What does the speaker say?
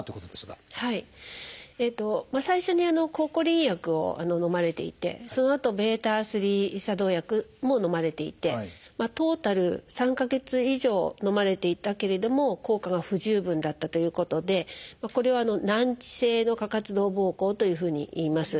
最初に抗コリン薬をのまれていてそのあとβ作動薬ものまれていてトータル３か月以上のまれていたけれども効果が不十分だったということでこれは難治性の過活動ぼうこうというふうにいいます。